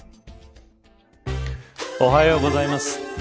おはようございます。